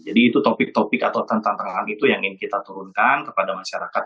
jadi itu topik topik atau tantangan itu yang ingin kita turunkan kepada masyarakat